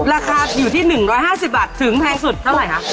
ราคาอยู่ที่๑๕๐บาทถึงแพงสุดเท่าไหร่คะ